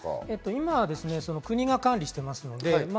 今は国が管理しています。